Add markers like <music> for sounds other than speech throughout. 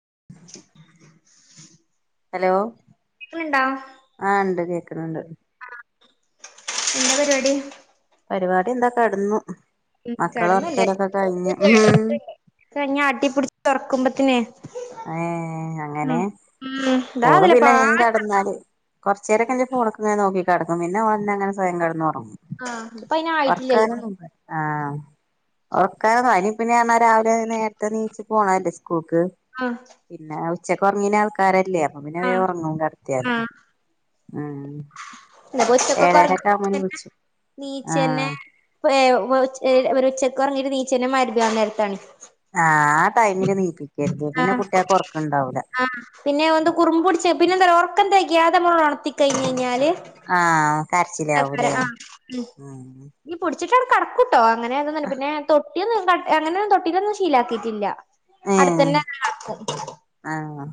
<inaudible> Hello കേക്കണുണ്ടോ കേക്കണുണ്ട് എന്താ പരിപാടി പരിപാടി എന്തൊ കി ടന്നു ഉം മക്കൾ കെടന്നില്ല ഉറക്കലൊക്കെ കഴിഞ്ഞു മ് മ് ഞാൻ അട്ടിപ്പിടിച്ച് തൊറക്കുമ്പത്തിനെ ഏ അങ്ങനെ. ഉം ഉം ഇതാ ഫോൺ അതിലെ പിന്നെ ഞാ പാട് കടന്നാല് കൊറച്ചുേരൊക്കെ എന്റെ ഫോണൊക്കെ ഇങ്ങനെ നോക്കി- ടക്കും പിന്നെ അവന്നെ അങ്ങനെ സ്വയം കിടന്നന്ന് ഉറങ്ങും ആഹ് ഇതിപ്പ അയിനായിട്ടില്ലല്ലോ ഉറക്കാനൊന്നും-ഇല്ല ആഓക്കാ അനി പിന്നൊ രാവിലെ നേരത്തെ നീച്ച പോണല്ലേ സ്കൂൾക്ക്. ആഹ് പിന്നെ ഉച്ചക്ക് ഉറങ്ങീന ആൾക്കാരല്ലേ അപ്പൊ പിന്നെ ആഹ് ഉറങ്ങും കടത്തിയാല. ആഹ് മ് ഉച്ചക്കൊക്കെ ഉറങ്ങി- ആ നീച്ചന്നെ ഒരു ഉച്ചക്ക് ഉറങ്ങിട്ട് നീച്ചന്നെ മഹ്റിബി അന്നേരത്താണ് ആഹ് ആ ഒറക്കം ഇണ്ടാവൂല ആ പിന്നെ ഒന്ത് കുറുമ്പ് പിടിച്ച് പിന്നെന്ത ഓർ. ക്കാ തേഖ്യത്തെ നടത്തിഴിഞ് കഴിഞ്ഞാല് ആ കരച്ചിലാവുലെ? ഉച്ചക്കങ്ങട്ട് കടക്കൂട്ടോ അങ്ങനെ പിന്നെ തൊട്ടി അങ്ങനൊന്നും തൊട്ടീലൊന്നും ശീലക്കിട്ടില്ല. ഏഹ് അടുത്തന്നെ കടത്തും. ആഹ്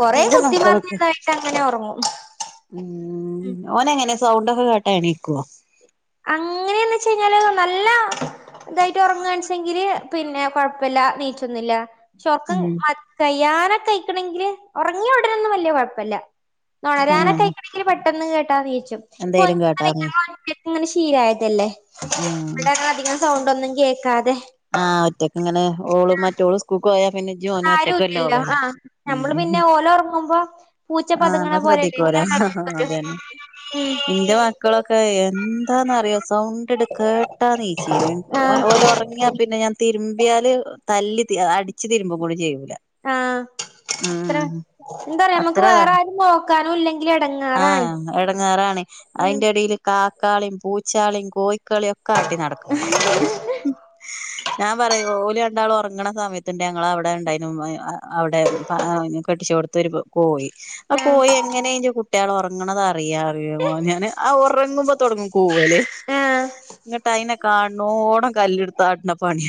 കൊറെ ഇന്റെ കുത്തിമാർഞ്ഞതായിട്ട് ങ്ങനെ ഉറങ്ങും. മ് ഓനങ്ങനെ സൗണ്ടൊക്കെ കേട്ട എണീക്കോ? അങ്ങനെയന്ന് വച്ച കഴിഞ്ഞാല് നല്ല- ഇതായിട്ട് ഉറങ്ങ കാണിച്ചെങ്കില് പിന്നെ കൊഴപ്പില്ല നീച്ചോന്നില്ല. ചൊർക്കം ഉം കയ്യാനൊക്കെ കഴിക്കണമെങ്കില് ഉറങ്ങി ഉടാനൊന്നും വല്ല്യ കൊയപ്പല്ല. ആഹ് നൊണയനിക്കായിക്കനെങ്കിൽ പെട്ടെന്ന് കേട്ടാ നീച്ചും. എന്തേലും കേട്ടാന്ന് അങ്ങനെ ശീലായതല്ലേ ആഹ് അവിടെ അങ്ങനെ അധികം സൗണ്ട് ഒന്നും കേക്കാതെ. ആഒറ്റക്ക് ഇങ്ങനെ ഓളും മറ്റോള് സ്കൂക്ക് പോയാ. പിന്നെ ജൂൻ ആരും ഇല്ലല്ലോ ഒറ്റക്കല്ലകല്ല ആഹ് നമ്മള് പിന്നെ ഓല് ഒറങ്ങുമ്പോ പൂച്ച ആ പതുങ്ങണ നമ്മള് പോലെല്ലേ ശ്രദ്ധിക്കുവ ഇങ്ങനെ ഹ് ഹ്‌ നടക്കും അതന്നെ. ഉം എന്റെ മക്കളൊക്കെ എന്താന്നറിയോ സൗണ്ട് എടു കേട്ടാ നീച്ചീന. ആഹ് ഓലെ ഉറങ്ങിയാ പിന്നെ ഞാൻ തിരുമ്പിയാല് തല്ലി അടിച് തിരുമ്പും കൂടി ചെയ്യൂ ആ അത്ര എന്താ പറയാ നമക്ക് അത്ര വേറെ ആരും നോക്കാനുംല്ലെങ്ക ഇ എടങ്ങേറാൻ. അതിന്റെ എടില് കാക്കാളീം, പൂച്ചാളീം, കോഴി കളൊക്കെ ആട്ടി നടക്കണം ഞാൻ പറയും ഓല് രണ്ടാളും ഒറങ്ങ്ണ സമയത്ത് ഞങ്ങളെ ഔടെ ഇണ്ടായ്നു ഔടെ കെട്ടിചോട്ത്ത് ഒരു കോഴി ആഹ് കോയി എങ്ങനെ അയ്ന്റെ കുട്ട്യാള് ഒർങ്ങ്ണത് അറിയാ <unintelligible> ആഹ് ഒറങ്ങുമ്പോ തോടങ്ങും കൂവല് ആഹ് ഇങ്ങട്ട് അയ്നെ കാണ് ണോടം കല്ല്ട്ത്ത് ആട്ട്ണ പണി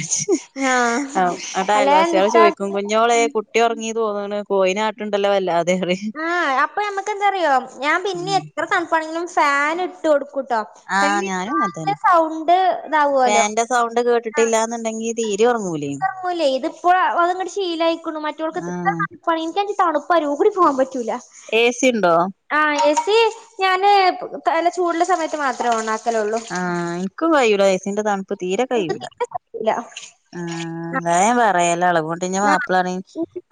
ആഹ് ന്നട്ട് അല്ലെ അയൽവാസികള് എന്ത്ത്താ ചോയ്ക്കും കുഞ്ഞോളെ കുട്ടി ഒർങ്ങി തോന്ന്ണ് കോഴിനെ ആട്ട്ണ്ടല്ലോ വല്ലാതെ അറിം ആഹ് അപ്പൊ നമ്മക്ക് എന്താറിയോ ഞാൻ പിന്നെ ഉം എത്ര തണുപ്പാണെങ്കിലും ഫാന് ഇട്ട് കൊടു ക് ട്ടോ ആഹ് അയ്ന് ഞാനും അങ്ങനെ ഇപ്ര തന്നെ സൗണ്ട് ഇതാവല്ലോ ഫാന്റെ സൗണ്ട് ആഹ് കേട്ടിട്ടില്ലാന്നുണ്ടെങ്കി തീരെ ഉറങ്ങൂലേ ഒർങ്ങൂലേ ഇത് ഇപ്പള് അഹ്ങ്ങട്ട് ശീലായിക്ണു മറ്റൊൾക്ക് <unintelligible> ആഹ് തണ്പ്പ് അരൂകൂടി പോകാൻ പറ്റൂല ഏ സി ഉണ്ടോ ആഹ് <unintelligible> ഞാന് തല ചൂടുള്ള സമയത്ത് മാത്രെ ഓണ ആഹ് എൻക്ക് <unintelligible> എസിന്റെ തണു പ്പ് തീരെ എനിക്ക് കയിയുലാ തീരെ പറ്റൂല ആഹ് വേം വേറെയാലെളകും അതോണ്ട്ന്നെ മാപ്പിളറയും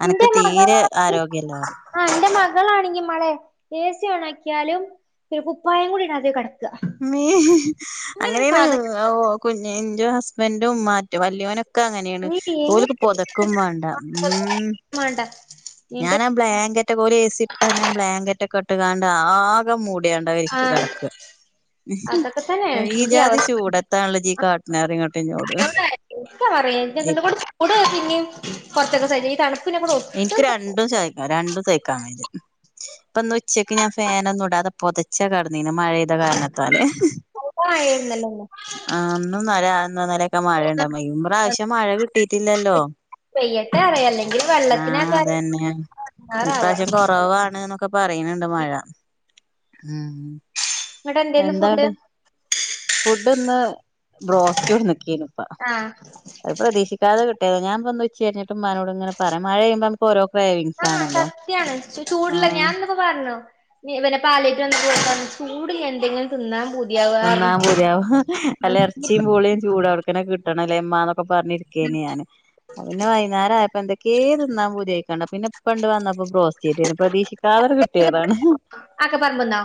അനക്ക് എന്റെ തീരെ ആരോഗ്യല്ലറയും മക്കളാണെങ്കി മഴ എ സി ഒണാക്കിയാലും കുപ്പായം കൂടെ ഇടാതെ കെട ഉമ്മീ അങ്ങനെണ് സാധനം കുഞ്ഞ് ന്റെ ഹസ്ബൻറ്റും മറ്റേ വല്ല്യോനൊ ക്കെ അങ്ങനെയാണ് നീ ഓല്ക്ക് എങ്ങനെ പൊതക്കും വേണ്ട മ്മ് വേണ്ട എന്നിട്ട് ഞാനാ ബ്ലാങ്കറ്റ് ഓലെ ഏസി ഇട്ടാ ഞാൻ ബ്ലാങ്കറ്റക്കെ ഇട്ട് ക്കണ്ടാ <unintelligible> <unintelligible> ആ മൂടിയാണ്ടവരിക്ക കെടക്കാ അതൊക്കെ തന്നെ ഏഹ് ഈ എന്റെ ജാതി അവസ്ഥ ചൂടെത്താണുള്ള യ്യ് കാട്ടണ് പറയുന്നിട്ട് ഇന്നോട് പറയും ഞങ്ങണ്ട് കൂട് ചൂട് പിന്നിം കൊറച്ചൊക്കെ സഹിക്കും ഈ തണു എനിക്ക് രണ്ടും സഹിക്ക രണ്ടും സഹിക്കാൻ വയ്യ ഇപ്പോ ന്ന് ഉച്ചക്ക് ഞാൻ ഫാനൊന്നും ഇടാതെ പൊത ന്നിന് മഴെയ്ത കാരണത്താല് അല്ല ല്ല ല്ലാ ആഹ് ഇന്നുംന്നലേ ഇന്നും ഇന്നലെ ഒക്കെ മഴ ഇണ്ടായി ഇമ്രാശ്യം മഴ കിട്ടീട്ടില്ലല്ലോ <unintelligible> ല്ലേങ്കില് ആഹ് അതന്നെ ഇപ്രാശ്യം കൊറവാണ്ന്ന് ഒ ക്കെ പറയ്ണണ്ട് മഴ ഉം ഇങ്ങട്ട് എന്തേന്ന് ഫുഡ് എന്താട് ഫുഡ് ന്ന് ബ്രോസ്റ്റ് <unintelligible> കെയ്രുന്നു ഉപ്പ ആഹ് അത് പ്രതീക്ഷിക്കാതെ കിട്ട് ഞാൻ പ്പന്ന് ഉച്ചരിഞ്ഞിട്ട് ഉമ്മനോട് ഇങ്ങനെ പറ മഴെയ്യുമ്പോ നമുക്ക് ഓരോ ക്രേവിങ്സ് ആഹ് ആണല്ലോ സത്യാണ് ചൂട്ള്ളെ ആഹ് ഞാൻ ന്ന്പ്പോ പറ്ഞ്ഞു നി ഇവന് പാലേറ്റ് വന്നിട്ട് പറഞ്ഞുചൂടിന് എന്തെങ്കിലും തിന്നാൻ പൂ തിന്നാം പൂതിയാവും നല്ല എറച്ചിം പൂളേം ചൂടൊട്ക്കനെ കിട്ടണംല്ലേ മ്മാനൊ ക്കെ പറഞ്ഞിരിക്കേന ഞാനും അതന്നെ വൈന്നേരം ആയപ്പോ എന്തൊക്കെയോ തിന്നാൻ പൂതിയായ്ക്ക്ണു പിന്നെ കൊണ്ട് വന്നപ്പോ ബ്രോസ്റ്റ് ചെയ്തു തരും പ്രതീക്ഷിക്കാതെന്നെ കിട്ടിയതാണ് ആക്കെ പറമ്പ്ന്നോ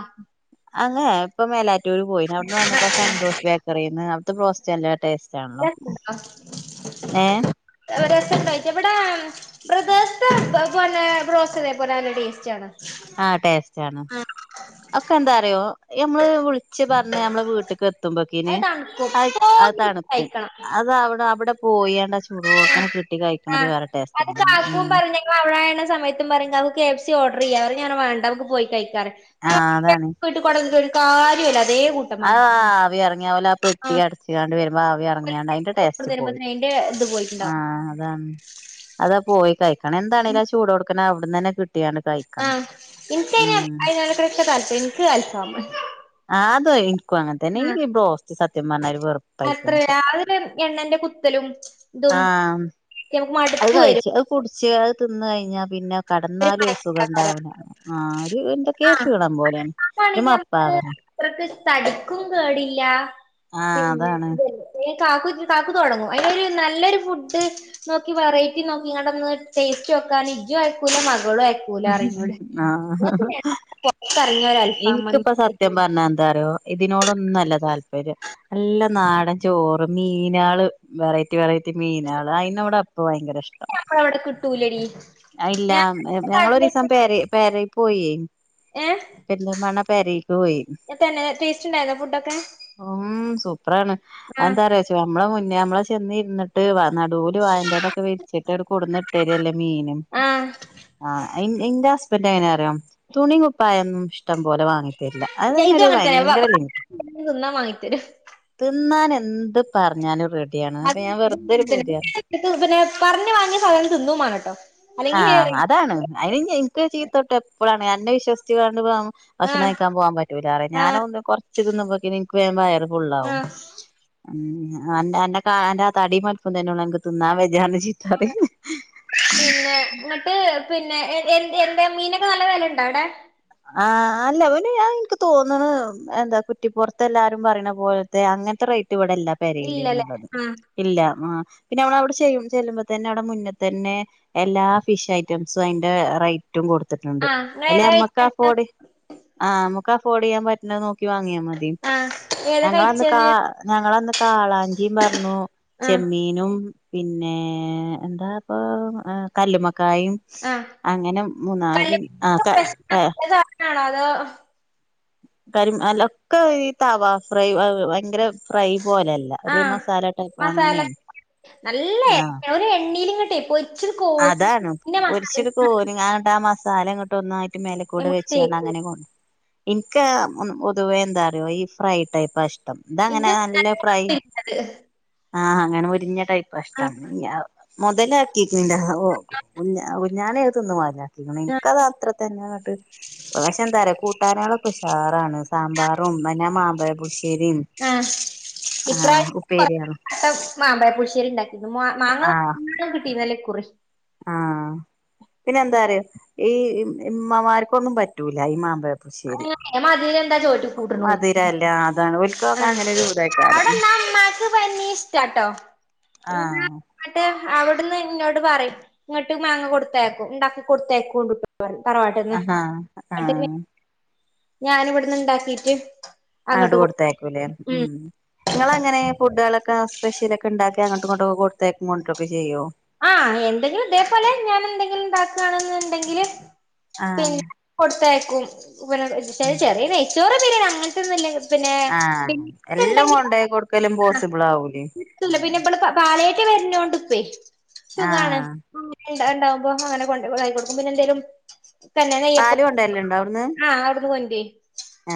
അങ്ങനെ ഇപ്പ മേലാറ്റൂര് പോയിന് അവിടുന്ന് വന്നപ്പോ സന്തോഷ് ബേക്കറിന്ന് അവിടുത്തെ ബ്രോസ്റ്റ് നല്ല ടേസ്റ്റ് ആണല്ലോ ഏഹ് <unintelligible> അവര <unintelligible> ഇവിടെ ഉം ബ്രദേഴസ്ത്തെ ബ പിന്നെ ബ്രോസ്റ്റ് ഇതേപോലെന്നെ ടേസ്റ്റി ആണ് ആഹ് ടേസ്റ്റ് ആണ് അക്കെ എന്താ അറിയോ മ്മള് വിളിച്ച് പറ ഞ്ഞ് നമ്മള വീട്ട്ക്ക് ത്തുമ്പക്കിന് അത് തണുക്കും അ അത് തണുക്കും കഴിക്കണം അതവിടെ അവിടെ പോയണ്ട ചൂടോട്ക്കനെ കി ആ അത് കാക്കും പറഞ്ഞ് ഞങ്ങവടാവണ സമയത്തും പറയും നമ്മുക്ക് കെ എഫ് സി ഓർഡ റിയ്യ പറയും ഞാൻ വേണ്ട മ്മ്ക്ക് പോയി കഴിക്കാറയും ആഹ് ഞമുക്ക് കെ എഫ് സി വീട്ടു കൊണ്ടന്നിട് ഒരു കാര്യുല്ല ആഹ് അ ആവി എറങ്ങിയ പോലെ ആ പെട്ടി ആഹ് അടച്ചക്കാണ്ട് വരു മ്പ ആവി എറങ്ങിയോണ്ട് അയിന്റെ ടേസ്റ്റ് പോയി വരുമ്പോത്തിന് അയിന്റെ ഇത് ആ പോയിട്ടുണ്ടാവും അതാണ് അതാ പോയി കഴിക്കണം എന്താണെലും ആ ചൂടോട്ക്കനെ അവിടന്നെ കി ആഹ് ഇൻക്കയിന് അയിനെക്കാളൊക്കെ താൽപ്പര്യം ഇൻക്ക് അൽഫാമ് ക്കും അങ്ങനെ തന്നെ ഈ ബ്രോസ്റ്റ് സത്യം പറഞ്ഞാരു അത്ര വെറുപ്പായിക്ക്ണു ഇപ്പൊ അതില് എണ്ണന്റെ കുത്തലും ഇതും ആഹ് മം നമുക്ക് അത് മടുപ്പ് വരും കഴിച്ച് അത് കുടിച്ച് അത് തിന്ന് കഴിഞ്ഞാ പിന്നെ കടന്നാലും ഒരു സുഖം ഉണ്ടാവൂല ആ ഒരു എത്തെക്കൊരു ആഹ് ക്ഷീണംപോലെണ് ഞ് അടക്കാണെങ്കിൽ നമുക്ക് മപ്പാണ് അത്രക്ക് തടിക്കും കേടില്ല ആഹ് പിന്നെ അതാണ് ത് ല്ലേ ഏ കാക്കു ഇഞ്ഞ്കാക്കു തൊടങ്ങും അയിനൊരു നല്ലൊരു ഫുഡ് നോക്കി വെറൈറ്റി നോക്കി കാണ്ടൊന്ന് ടേസ്റ്റോ നോക്കാൻ ഇജും അയക്കൂല മകളും അയിക്കൂലറിയും ന്നോട് ആഹ് ഇങ്ങളൊ രാഅൽഫാമ് മന് എന്തറിയോ ഇതിനോടൊന്നുല്ല താല്പര്യം നല്ല നാടൻ ചോറ് മീനാള് വേറൈ റ്റി വെറൈറ്റി മീനാള് അയിനവടെ അപ്പ ഭയങ്കര ഇഷ്ടം നമ്മളവിടെ കിട്ടൂലടി അഎല്ല ഞാൻ ഇന്റെ ഞങ്ങളൊരീസം നാട്ടിലേക്ക് പെര പേരേക്കോയെ ഏഹ് പെരുന്തൽമണ്ണ പെരീക്ക് പോയി തന്നെ ടേസ്റ്റ് ഉണ്ടായിരുന്നോ ഫുഡൊക്കെ ഉം സൂപ്പറാണ് ആഹ് അന്താറയാച്ച നമ്മളെ മു മുന്നെ അമ്മൾചെന്നിരുന്നിട്ട് വർ നടൂല് വായന്റെലെക്കെ വിരിച്ചിട്ട് ങ്ങട് കൊടന്ന് ഇട്ടരല്ലേ മീന് ആഹ് ആ ഇൻ ഇന്റെ ഹസ്ബൻഡ് എങ്ങനെ അറിയോ തുണി കുപ്പായൊന്നും ഇഷ്ടം പോലെ വാങ്ങി തരില്ല ഇതും അതിനൊരു അങ്ങനെ തന്നെ വ- ഭയങ്കര വ- ലിമി തിന്നാൻ വാങ്ങിത്തരും തിന്നാൻ എത് ന്ത് പറഞ്ഞാലും റെഡി <unintelligible> പിന്നെ പറഞ്ഞ് വാങ്ങിയ സാധനം തിന്നുമാണട്ടൊ. ആഹ് അതാണ് അയിനി ഇന്ക്ക് ചീത്തോട്ടോ എപ്പൊള്ളാണ് അന്നെ വിശ്വസിച്കാണ്ട് വാങ്ങും. ഭക്ഷണം ആഹ് കഴിക്കാൻപോകാൻപറ്റൂലാറിയും ആഹ് ഞാനോന്ന് കൊറച്ച് തിന്നപോത്തിനിനിക്ക് വേം വയറ്. ഫുള്ളാവും ആഹ് മ് അന്റെ അൻ അന്റെ താടീംവലുപ്പതനെള്ളു അങ്ങക്ക് തിന്നാൻ വജ്ജാർഞ്ഞിരിക്കും ചീത്തറിം പിന്നെ എന്നിട്ട് പിന്നെ എന്ത്യെ എന്ത മീനൊക്കെ നല്ല വെലണ്ടോ അവിടെ. ആഹ അല്ല ഓൽ ആഎനിക്ക് തോന്ന്ണ് എന്താ കുറ്റിപ്പുറത്തെ എല്ലാരും പറയണ പോലത്തെ അങ്ങനത്തെ റയ്റ്റ. റ്റ്ല്ലവിടല്ല ഇല്ലല്ലേ പെരീല്ന്നുള്ളത് ആഹ് ഇല്ല ആ പിന്നെ നമ്മളവടെ അവിടെും ചെല്ലുമ്പോ തന്നെ അവിടെ മുന്ന്തന്നെ എല്ലാ ഫിഷ് ഐറ്റംസും അതിറെ റൈറ്റ്. റ്റും കൊടുത്തിട്ടുണ്ട് ആഹ് നിങ്ങൾ ഏതാ അയില്ലമ്മക്ക് കഴിച്ചത് അഫോഡ് അ അമ്മക്ക് അഫോർഡ് ചെയ്യാൻ പറ്റണ നോക് ക്കി വാങ്ങ്യാ മതി ആഹ് ഏതാ ഞങ്ങളന്ന് കാ കഴിച്ചത് ഞങ്ങളന്ന് കാളാഞ്ചിയും പറഞ്ഞു ആഹ് ചെമ്മീനും. പിന്നെ എന്താ ഇപ്പൊ കല്ലുമക്ക. കായും ആഹ് അങ്ങനെ മുന്നാബിൻ ക ക. മീനാണോ അതോ. കരില്ലഒക്കെ ഈ താവാ ഫ്രൈ ഔ. ഭയങ്കര ഫ്രൈ പോലല്ല ഒരു ആഹ് മസാല ടൈപ്പ് മസാല അങ്ങനെണ്. നല്ല എ ഒരു എണ്ണേൽ ഇങ്ങ.. അതാണ് പൊരിച്ചിട്ക്കോരിക്കാണ്ട് ആ മസാ.. സാലങ്ങട്ട് ഒന്നായിട്ട് മേലക്കൂടെ നമുക്ക് വെച്ചുകാണ് അങ്ങനെ തേക്കും കൊട് എനിക്ക് പൊതുവേ എന്താറിയോ ഈ ഫ്രൈ ടൈപ്പ്ഷ്ട ടം ഇതങ്ങനെ നല്ല ഫ്രൈ ആഹ അങ്ങനെ മൊരിഞ്ഞ ടൈപ്പാഷ്ടം ആഹ് ഞ്ഞവ്മൊതലാക്കി നി ഓ കുഞാന കുഞ്ഞാനേ തിന്നു മൊതലാക്കീക്ണ് ആഹ് ഇനിക്കത് അത്രതനെങ്ങട്ട് പക്ഷെ എന്താറയാ കൂട്ടാനകളൊ ഉഷാറാണ് സാമ്പാറും പിന്നെ മാമ്പപുശ്ശേരിം ആഹ് ഇപ്പ്രാവശ കൊറച്ച് മാമ്പഴ പുശ്ശേരി ഉണ്ടാക്കീകിണ് മാ മാങ്ങ നല്ലോംകിട്ടീനന്ല്ലേ ഇക്കു- ആഹ പിന്നെ എന്താറയ ഈ ഇമ്മമാർക്കൊന്നും പറ്റൂല ഈ മാമ്പഴ ശരി ഏഹ് മധുരെന്താ ചോറ്റ് കൂട്ട്ണോയ് മധുരല്ല അതാണ് ഒൽക്കൊക്കെ അങ്ങനെ ഒരൂതായ്ക്കാരം മ്മാക്ക് പിന്നീ ഇഷ്ടാട്ടോ ആഹ് പിനങ്ങട്ട്. അവിടുന്ന് ഇന്നോട് പറയും ഇങ്ങോട്ട് മാങ്ങ കൊടുത്തയ്ക്കും ഉണ്ടാക്കി കൊടുതയ്ക്കെണ്ടു ട്ടൊ. തറവാട്ടന്ന് ആഹ് ആഹ് ഞൻവിടന്ന് ഇണ്ടാക്കീട്ട്. ആണ്ട് അങ്ങട്ട് കൊട് കൊടുത്തയ്ക്കൂലേ ഉം ങ്ങളാങ്ങനെ ഫുഡളോക്കെ. ക്ക സ്പെഷ്യല ഒക്കെണ്ടാക്കി അങ്ങോട്ട ഇങ്ങോട്ടൊ കൊടുത്തയ്ക്കും കൊണ്ടാരോക്കെ ചെയ്യോ. ആഹ് എന്തെങ്കിലും ഇതേപോലെ ഞാൻ എന്തെങ്കിലും ഉണ്ടാക്കണെന്നുണ്ടെങ്കില്. ആഹ് പിന്നെ കൊടുത്തയക്കും പി ഉം ചെറിയ നെയ്ച്ചോറ ബിരിഅങ്ങനതൊന്നുംല്ല. പിന്നെ ആഹ് എല്ലാം കൊണ്ടോയി കൊടുക്കലും പോസിബിൾ ആവൂലേ കിട്ടൂല. ഉം വരാന്നോണ്ടപ്പേ. സുഖാണ് ആഹ് ഇണ്ടാവുമ്പോ അങ്ങനെ കൊണ്ടോയടുക്കും പിന്നെന്തേലും. തന്നെ നയ്യപ്പ പാല് കൊണ്ടരലുണ്ടോ അവിടുന്ന് ആ അവിടുന്ന് കൊണ്ടര്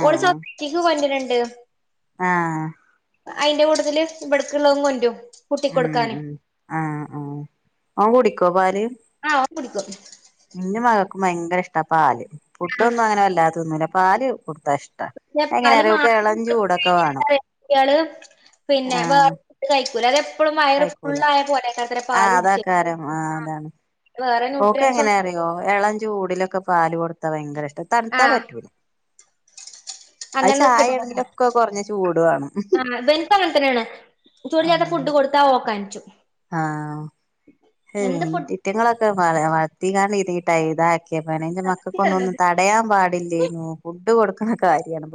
ഓൾ സോഫിക്കാക്ക് കൊണ്ടരഡ്. ആഹ. അയിന്റെ കുട്ടത്തിൽ ഇവിടക്കള്ളതും കൊണ്ടാര്. ഉം ഉ ആഹ് ആ ഓൻ കുടിക്കോ പാല്. ആഹ് ഓൻ കുടിക്കും. ഇന്റെ മകൾക്കും ഭയങ്കര ഇഷ്ട പാല് ആ ഫുഡൊന്നും അങ്ങനെ വല്ലാതെതിന്നൂല്ല പാല്. കൊടുത്താ ഇഷ്ട പിന്നെ ആയെങ്ങനെ പാല് അറിയൊ ഓക്ക് മാത്രം എളം കൊടുത്ത് ചൂടൊക്കെ കഴിഞ്ഞാ വേണം. എന്താ കുട്ടികള് പിന്നെ വേറെ ആഹ് ഫുഡ്കഴിക്കൂല അത്പ്പോഴും വയറ് ഫുള്ളായ പോലെ. ആ അതാ കാരം ആഹ അതാണ് വേറെ ഓക്കെ ന്യൂട്രിയൻസ് എങ്ങനെ ഒന്നും അറിയോ എള. ചൂടിലൊക്കെ പാല് കൊടുത്താ ഭയങ്ക ഇഷ്ട തണുത്താ ആഹ് പറ്റൂല അത് അങ്ങനെ കിട്ട ചായ ആണെങ്കിലൊക്കെ കുറഞ്ഞ ചൂട് വേണം ആ വെന്ക്കും അങ്ങനെത്തനെയാണ് ചൂടചേർത്ത ഫുഡ് കൊടുത്താ ഓക്കാൻച്ചു ആഹ എന്ത് ഫുഡ് ൻിറ്റങ്ങളൊക്കെ വ വളർത്തിക്കാണ്ടിന്നട്ട <unintelligible> ഇത ന്റെ മക്കൾക്കൊന്നുംന്നും സത്യാണത് തടയാൻ പാടില്ലരുന്നു ഫുഡ് കൊടുക്കണ കാര്യമാണ്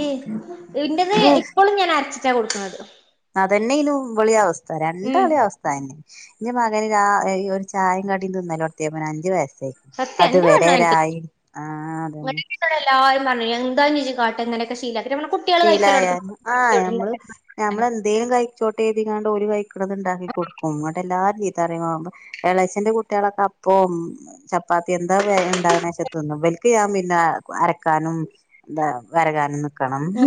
ഏയ് ഇന്റത് എപ്പോളും ഞാൻ അരച്ചിട്ടാ കൊടുക്കുന്നത് അതന്നെലും ഇവെളിയ അവസ്ഥ ഉം രണ്ടകളിയ അവസ്ഥ എന്റെ മകന് ഒരു ചായയും കടിം തിന്നാലോടത്തിയത് ഒരു അഞ്ചു വയസ് സത്യം എന്റെ പെണ്ണഅങ്ങനത്തന്നെ ആഹ് അതന്നെ ല്ലാരുപറഞ്ഞു എന്താ നെജു കാട്ട അങ്ങനൊക്ക ശീല ശീലായ ആഹ് ഞമ്മള് ഞമ്മള്ന്തേലും കഴിച്ചോട്ട ണ്ടാ ഒരു കൈക്കണത് ഉണ്ടാക്കി കൊടുക്കും ഇങ്ങട്ട എല്ലാരും ചീത്ത അറിയും എളേച്ചന്റെ കുട്ടികളൊക്കെ അപ്പം ചപ്പാത്തി എന്താ ഉണ്ടാകുന്നേച്ച തിന്നോ വലക്ക് ഞാൻപിന്ന അരക്കാനും എന്താ വരകനും ഉ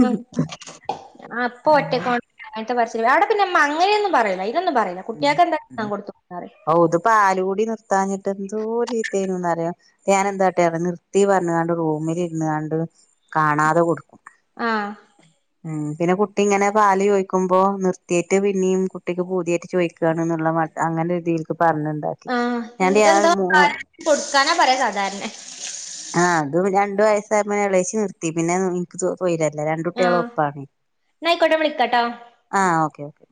അപ്പൊ അങ്ങനെ ഒറ്റക്ക പടശ്ശേനെ അവിടെ പിന്നെ അങ്ങനെയൊന്നും പറയില്ല ഇതൊന്നും പറയില്ല കുട്ടികൾക്ക്എന്താതിന്നാൻ കൊടുത്തോന്നപറയും ത്താഞ്ഞിട്ട് എന്തോ ചീത്തേനറിയോ ഞാൻ എന്താട്ടെ ഇ നിർത്തി പറഞ്ഞ കണ്ട് റൂമിൽ ഇന്ന് കണ്ട് കാണാതെ കൊടുക്കും ആഹ് ഉം പിന്നെ കുട്ടി ഇങ്ങനെ പാല് ചോദിക്കുമ്പോ നിർത്തിയട്ട് പിന്നെയും കുട്ടിക്ക് പൂതിയായിട്ട് നിക്കന്നെന്നുള്ള മട്ട അങ്ങന രീതി പറഞ്ഞണ്ടാക്കി ആഹ് എന്ത് ഞാൻന്റെ ആ എന്താ കൊടുക്കാനാ പറയാ സാധാരണ ആഹ് അതും രണ്ട വയസ്സായുമ്പോ എളേശി നിർത്തി പിന്നെ എനിക്ക് തോന്ന പോയിരല്ല രണ്ട കുട്ടികള ആഹ് ഒപ്പാണ് ന്നാ ആയിക്കോട്ടെ വിളിക്കാട്ടോ ആ ഓക്കെ ഓക്കെ